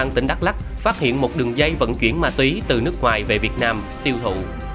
công an tỉnh đắk lắc phát hiện một đường dây vận chuyển ma túy từ nước ngoài về việt nam tiêu thụ